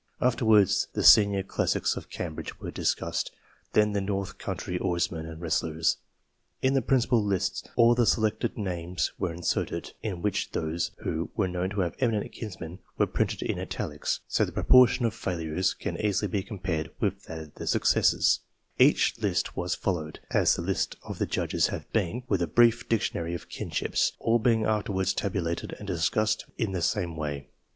Afterwards the Senior Classics of Cambridge were discussed, then the north country oarsmen and wrestlers. In the principal lists all the selected names were inserted, in which those who xiv PREFATORY CHAPTER were known to have eminent kinsmen were printed in italics, so the proportion of failures can easily be compared with that of the successes. Each list was followed, as the list of the judges had been, with a brief dictionary of kinships, all being afterwards tabulated and discussed in the same way.